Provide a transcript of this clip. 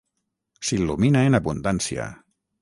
S'il·lumina en abundància.